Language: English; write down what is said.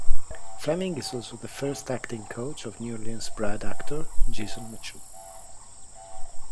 Fleming is also the first acting coach of New Orleans bred actor Jason Mitchell.